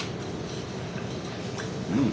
うん。